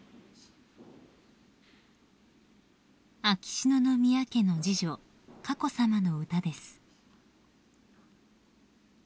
［秋篠宮家の次女佳子さまの歌です］